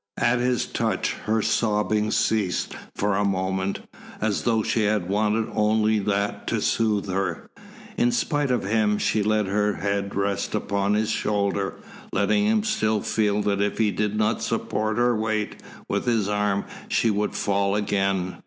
At his touch, her sobbing ceased for a moment, as though she had wanted only that to soothe her. In spite of him she let her head rest upon his shoulder, letting him still feel that if he did not support her weight with his arm she would fall again.